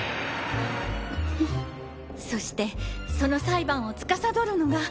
そしてその裁判をつかさどるのが。